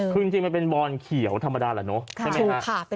คือจริงมันเป็นบอนเขียวธรรมดาแหละเนอะใช่ไหมฮะ